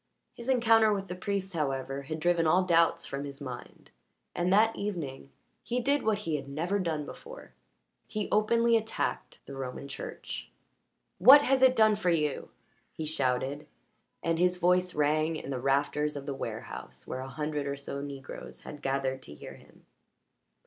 His encounter with the priest, however, had driven all doubts from his mind, and that evening he did what he had never done before he openly attacked the Roman Church. "What has it done for you?" he shouted, and his voice rang in the rafters of the warehouse where a hundred or so Negroes had gathered to hear him.